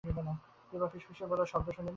দিপা ফিসফিস করে বলল, শব্দ শুনলেন?